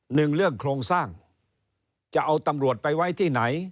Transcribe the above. หนึ่งเรื่องโครงสร้างจะเอาตำรวจไปไว้ที่ไหน